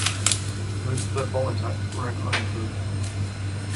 Most of their bomb attacks were in Eindhoven.